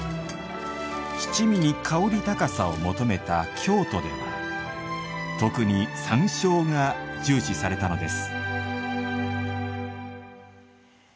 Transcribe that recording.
七味に香り高さを求めた京都では特に山椒が重視されたのです。